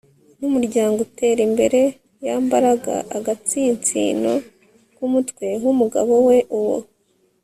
n'umuryango utera imbere. yambaraga agatsinsino k'umutwe w'umugabo we, uwo